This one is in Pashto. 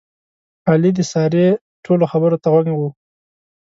علي د سارې ټولو خبرو ته غوږ و.